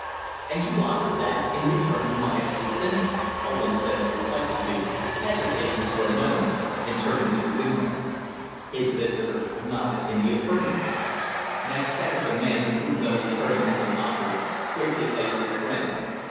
"And you offer that, in return for my assistance?" Poland said reflectively, hesitating for a moment and turning to the window. His visitor nodded in the affirmative. Next second the man to whom those terms had been offered quickly faced his friend.